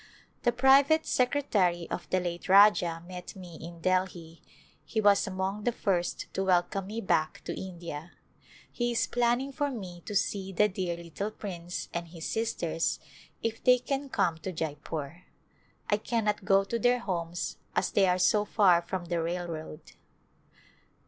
The private secretary of the late Rajah met me in Delhi ; he was among the first to welcome me back to India. He is planning for me to see the dear little prince and his sisters if they can come to Jeypore. I cannot go to their homes as they are so far from the railroad.